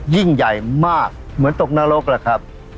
ยิ่งใหญ่มากเหมือนตกนรกล่ะครับ